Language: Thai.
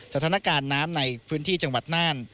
สถานการณ์น้ำในพื้นที่จังหวัดน่าน